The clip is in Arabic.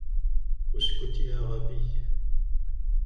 اسكت يا غبي!